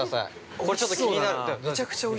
ここちょっと気になって。